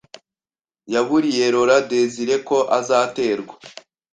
yaburiye Laurent Désiré ko azaterwa